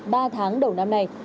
ba tháng đầu năm này